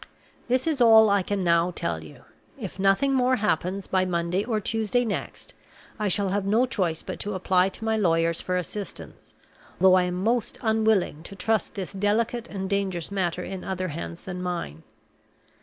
"This is all I can now tell you. If nothing more happens by Monday or Tuesday next, I shall have no choice but to apply to my lawyers for assistance; though I am most unwilling to trust this delicate and dangerous matter in other hands than mine.